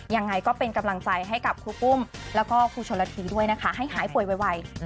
ยังไงก็เป็นกำลังใจให้กับครูปุ้มแล้วก็ครูชนละทีด้วยนะคะให้หายป่วยไว